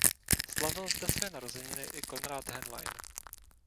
Slavil zde své narozeniny i Konrad Henlein.